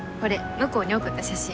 向こうに送った写真。